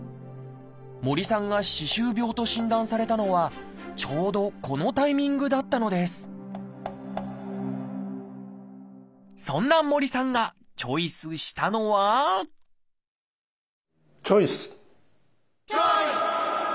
森さんが「歯周病」と診断されたのはちょうどこのタイミングだったのですそんな森さんがチョイスしたのはチョイス！